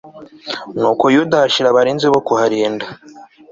nuko yuda ahashyira abarinzi bo kuharinda